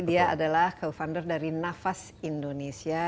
dia adalah co founder dari nafas indonesia